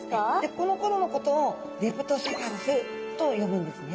このころのことをレプトセファルスと呼ぶんですね。